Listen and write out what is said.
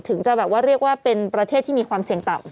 ถึงจะแบบว่าเรียกว่าเป็นประเทศที่มีความเสี่ยงต่ำ